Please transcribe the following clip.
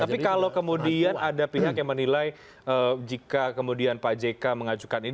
tapi kalau kemudian ada pihak yang menilai jika kemudian pak jk mengajukan ini